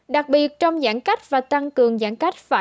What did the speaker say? đặc biệt trong giãn cách và tăng cường giãn cách